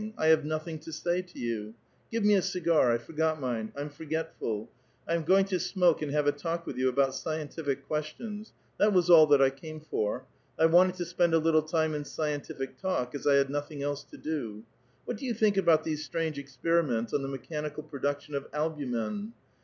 I have nothing t) say to you. Give me a cigar ; I forgot mine. I'm forgetful. I am going to smoke and have a talk with you about scientific questions ; that was all that I came for. I wanted to spend a little time in scien tific talk, as I had nothing else to do. What do 3^ou think about these strange experiments on the mechanical produc tion of albumen?"